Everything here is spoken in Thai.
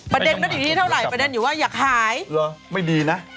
ประเด็นมันอยู่ที่เท่าไหร่ประเด็นอยู่ว่าอยากหายเหรอไม่ดีนะ